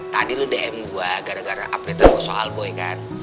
tadi lu dm gua gara gara update an gua soal boy kan